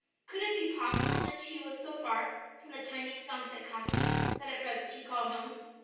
Could it be possible that she was so far from the tiny 'Sconset cottage that at present she called home?